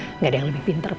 tidak ada yang lebih pinter